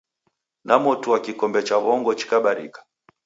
Namotua kikombe cha w'ongo chikabarika.